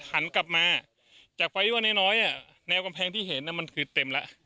หันกลับมาจากไปว่าน้อยน้อยอ่ะแนวกำแพงที่เห็นน่ะมันคือเต็มละ